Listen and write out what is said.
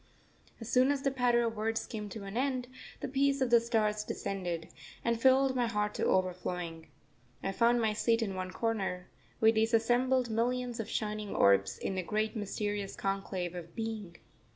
As soon as the patter of words came to an end, the peace of the stars descended, and filled my heart to overflowing. I found my seat in one corner, with these assembled millions of shining orbs, in the great mysterious conclave of Being.